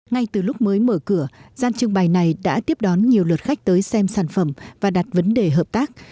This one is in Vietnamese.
ngay từ lúc mới mở cửa gian trưng bày này đã tiếp đón nhiều lượt khách tới xem sản phẩm và đặt vấn đề hợp tác